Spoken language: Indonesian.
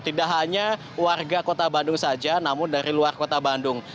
tidak hanya warga kota bandung saja namun dari luar kota bandung